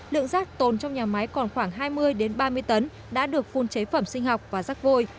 lượng rác tồn trong nhà máy còn khoảng hai mươi ba mươi tấn đã được phun chế phẩm sinh học và rác vôi